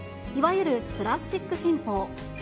いわゆるプラスチック新法。